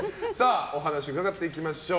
お話伺っていきましょう。